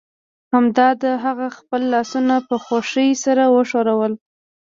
همدا ده هغه خپل لاسونه په خوښۍ سره وښورول